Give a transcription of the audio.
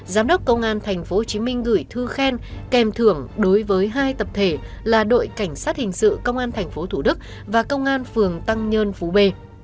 giám đốc công an tp hcm gửi thư khen kèm thưởng đối với hai tập thể là đội cảnh sát hình sự công an tp hcm và công an phường tăng nhơn phố b